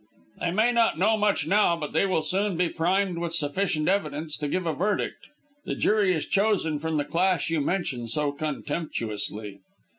"They may not know much now, but they will soon be primed with sufficient evidence to give a verdict. The jury is chosen from the class you mention so contemptuously."